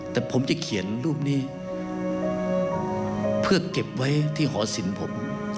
แต่ผมจะเขียนรูปนี้เพื่อเก็บไว้ที่หอสินผม